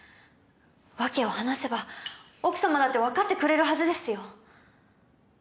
訳を話せば奥様だってわかってくれるはずですよ。